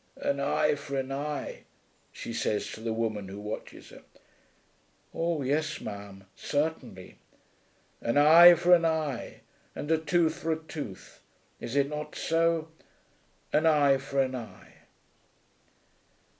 "An eye for an eye," she says to the woman who watches her. "Oh, yes, ma'am; certainly." "An eye for an eye, and a tooth for a tooth! Is it not so? An eye for an eye!"